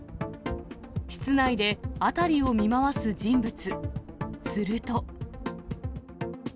室内で辺りを見回す人物。